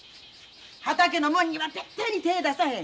畑のもんには絶対に手ぇ出さへん。